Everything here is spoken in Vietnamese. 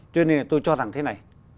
cho nên là tôi cho rằng thế này